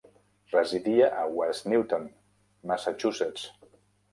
Residia a West Newton, Massachusetts.